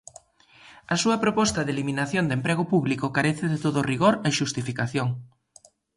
A súa proposta de eliminación de emprego público carece de todo rigor e xustificación.